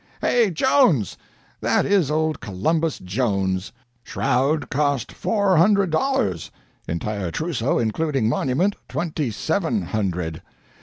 Hey, Jones! That is old Columbus Jones shroud cost four hundred dollars entire trousseau, including monument, twenty seven hundred.